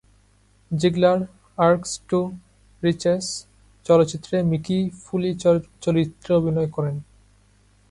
জিগলার "rags to riches" চলচ্চিত্রে "Mickey Foley" চরিত্রে অভিনয় করেন।